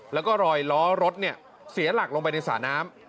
แล้วก็รอยล้อรถเสียหลักลงไปในสระน้ำ